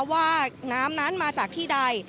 ว่าน้ำนั้นมาจากที่ใด